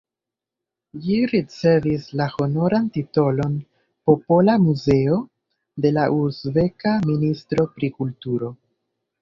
Ĝi ricevis la honoran titolon "popola muzeo" de la uzbeka ministro pri kulturo.